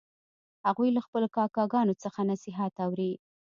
هغوی له خپلو کاکاګانو څخه نصیحت اوري